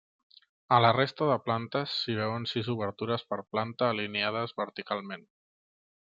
A la resta de plantes s'hi veuen sis obertures per planta alienades verticalment.